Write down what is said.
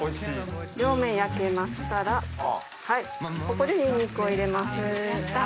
両面焼けましたらここでニンニクを入れます。